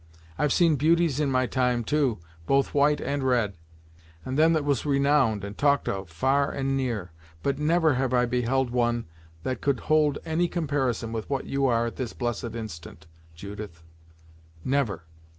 I've seen beauties in my time, too, both white and red; and them that was renowned and talk'd of, far and near; but never have I beheld one that could hold any comparison with what you are at this blessed instant, Judith; never."